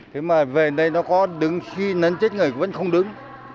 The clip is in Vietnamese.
thế mà về đây nó có đứng khi nấn chết người vẫn không đứng